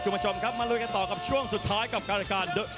ต่อมาล่วงกันกันต่อที่ช่วงสุดท้ายกับการการการ